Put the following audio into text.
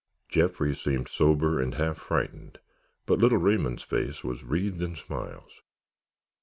Jeffrey seemed sober and half frightened, but little Raymond's face was wreathed in smiles.